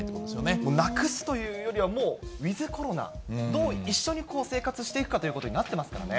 なくすというよりは、もうウィズコロナ、どう一緒に生活していくかということになってますからね。